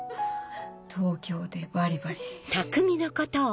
東京でバリバリ。